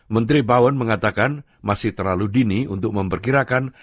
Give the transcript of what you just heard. menteri powen mengatakan masih terlalu dini untuk memperkirakan